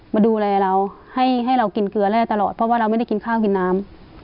มาดูแลเราให้เรากินเกลือแร่ตลอดเพราะว่าเราไม่ได้กินข้าวกินน้ำ